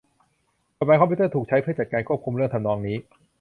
กฎหมายคอมพิวเตอร์ถูกใช้จัดการควบคุมเรื่องทำนองนี้